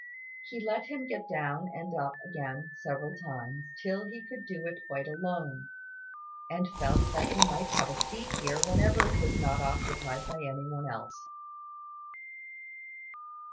He let him get down and up again several times, till he could do it quite alone, and felt that he might have a seat here whenever it was not occupied by any one else.